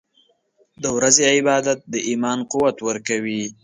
• د ورځې عبادت د ایمان قوت ورکوي.